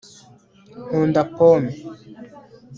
nkunda pome